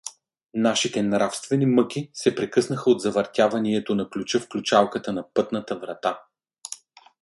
Нашите нравствени мъки се прекъснаха от завъртяванието на ключа в ключалката на пътната врата.